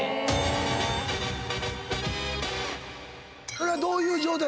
それはどういう状態？